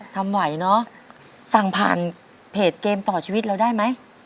ทำไหวเนอะสั่งผ่านเพจเกมต่อชีวิตเราได้ไหม